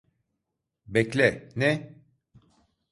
Bekle, ne?